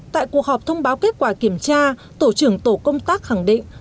tại cuộc họp thông báo kết quả kiểm tra tổ trưởng tổ công tác khẳng định